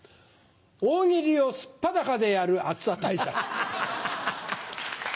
大喜利を素っ裸でやる暑さ対策。